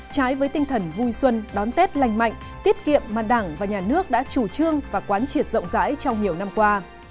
trái với tinh thần vui xuân đón tết lành mạnh tiết kiệm mà đảng và nhà nước đã chủ trương và quán triệt rộng rãi trong nhiều năm qua